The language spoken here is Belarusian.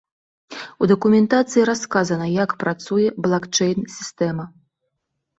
У дакументацыі расказана, як працуе блакчэйн-сістэма.